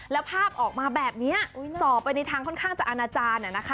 แล้วภาพออกมาแบบนี้ส่อไปในทางค่อนข้างจะอาณาจารย์